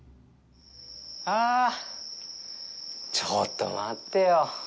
ああ、ちょっと待ってよ！